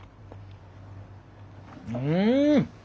うん！